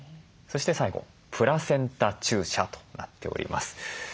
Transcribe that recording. そして最後プラセンタ注射となっております。